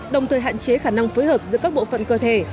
đồng thời hạn chế khả năng phối hợp giữa các bộ phận cơ thể